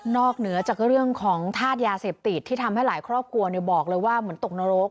เหนือจากเรื่องของธาตุยาเสพติดที่ทำให้หลายครอบครัวบอกเลยว่าเหมือนตกนรก